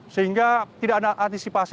sehingga tidak ada antisipasi